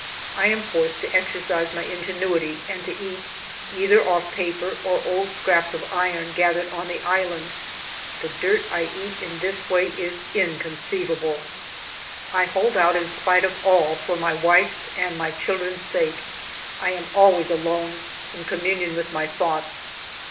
I am forced to exercise my ingenuity and to eat either off paper or old scraps of iron gathered on the island. The dirt I eat in this way is inconceivable. ALFRED DREYFUS 121 I hold out in spite of all, for my wife's and my children's sake. I am always alone, in com munion with my thoughts.